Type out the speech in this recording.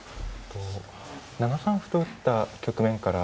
７三歩と打った局面から。